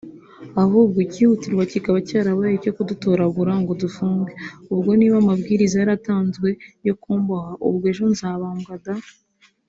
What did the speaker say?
ahubwo ikihutirwa kikaba cyarabaye icyo kudutoragura ngo dufungwe… ubwo niba amabwiriza yatanzwe yo kumboha ubwo ejo nzabambwa daa